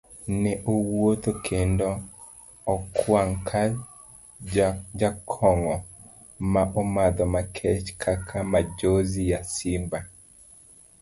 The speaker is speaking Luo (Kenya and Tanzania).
Ne owuotho kendo okwang' ka jakong'o ma omadho makech kaka Majonzi ya simba.